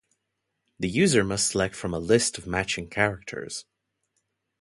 The user must select from a list of matching characters.